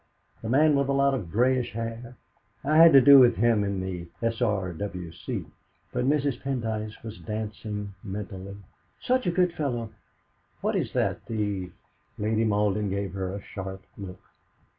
The man with a lot of greyish hair? I've had to do with him in the S.R.W.C." But Mrs. Pendyce was dancing mentally. "Such a good fellow! What is that the ?" Lady Malden gave her a sharp look.